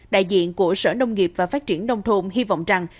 đại diện của sở nông nghiệp và phát triển nông thôn hy vọng rằng